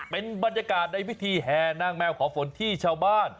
เป็นบรรยากาศในพิธีแห่นางแมวขอฝนที่ชาวบ้าน